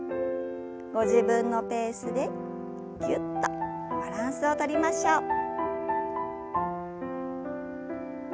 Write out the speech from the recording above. ご自分のペースでぎゅっとバランスをとりましょう。